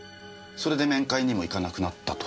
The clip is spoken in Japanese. それで面会にも行かなくなったと。